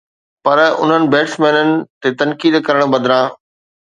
پر انهن بيٽسمينن تي تنقيد ڪرڻ بدران